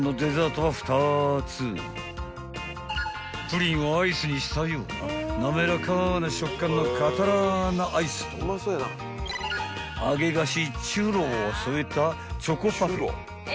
［プリンをアイスにしたような滑らかな食感のカタラーナアイスと揚げ菓子チュロを添えたチョコパフェ］